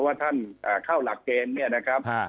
ว่าท่านเข้าหลักเกณฑ์เนี่ยนะครับ